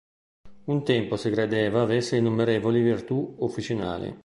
Un tempo si credeva avesse innumerevoli virtù officinali.